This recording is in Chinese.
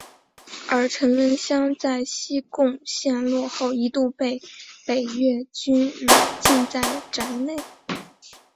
而陈文香在西贡陷落后一度被北越军软禁在宅内。